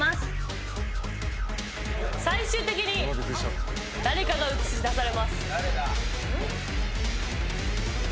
最終的に誰かが映し出されます。